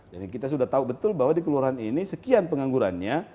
jadi kita sudah tahu betul bahwa di kelurahan ini sekian penganggurannya